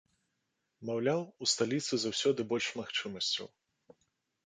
Маўляў, у сталіцы заўсёды больш магчымасцяў.